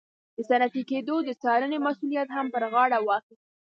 د صنعتي کېدو د څارنې مسوولیت هم پر غاړه واخیست.